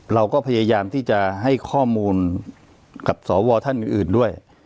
เราก็พยายามที่จะให้ข้อมูลกับสวท่านอื่นด้วย